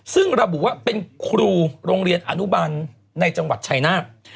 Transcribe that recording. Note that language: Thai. ซึ่งระบุว่าเป็นครูโรงเรียนอนุบันในจังหวัดชายนาฏ